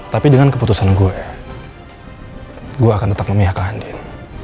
tapi dengan keputusan gue gue akan tetap memihak kak andin